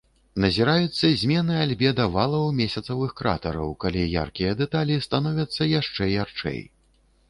Назіраюцца змены альбеда валаў месяцавых кратэраў, калі яркія дэталі становяцца яшчэ ярчэй.